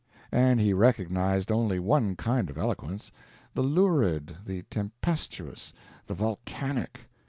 And he recognized only one kind of eloquence the lurid, the tempestuous, the volcanic.